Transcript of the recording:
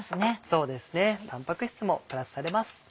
そうですねタンパク質もプラスされます。